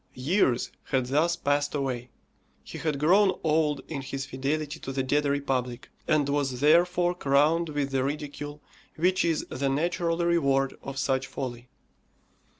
Years had thus passed away. He had grown old in his fidelity to the dead republic, and was therefore crowned with the ridicule which is the natural reward of such folly.